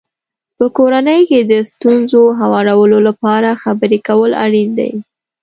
په کورنۍ کې د ستونزو هوارولو لپاره خبرې کول اړین دي.